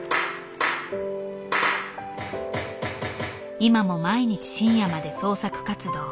今も毎日深夜まで創作活動。